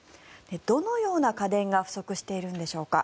どのような家電が不足しているんでしょうか。